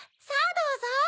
さぁどうぞ！